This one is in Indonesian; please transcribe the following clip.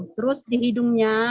terus di hidungnya